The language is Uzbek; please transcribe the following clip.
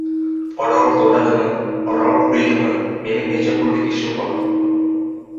— Orol to‘ladimi, Orol quriydimi, mening necha pullik ishim bor".